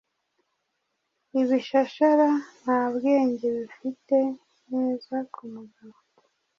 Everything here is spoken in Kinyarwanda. Ibishashara nta bwenge bifite neza kumugabo